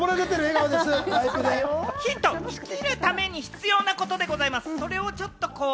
ヒントを生きるために必要なことでございます。